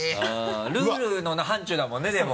ルールの範ちゅうだもんねでも。